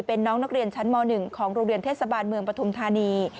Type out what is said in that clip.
เป็นน้องนักเรียนชั้นม๑ของโรงเรียนเทศบาลเมืองปฐุมธานี